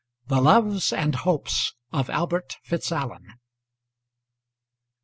THE LOVES AND HOPES OF ALBERT FITZALLEN.